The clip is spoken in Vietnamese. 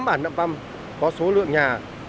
tám bản năm phăm có số lượng nhà